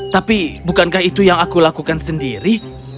tapi bukankah itu yang aku lakukan sendiri